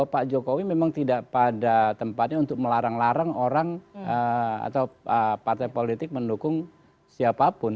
pak jokowi memang tidak pada tempatnya untuk melarang larang orang atau partai politik mendukung siapapun